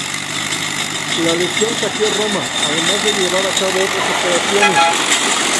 La legión saqueó Roma, además de llevar a cabo otras operaciones.